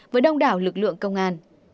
với đông đảo lực lượng công an